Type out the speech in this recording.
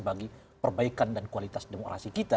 bagi perbaikan dan kualitas demokrasi kita